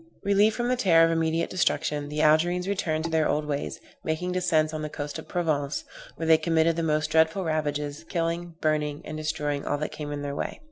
Relieved from the terror of immediate destruction, the Algerines returned to their old ways, making descents on the coast of Provence, where they committed the most dreadful ravages, killing, burning and destroying all that came in their way.